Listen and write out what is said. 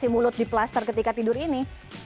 mulut diplaster ketika tidur ini